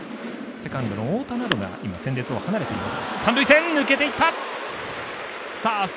セカンドの太田などが戦列を離れています。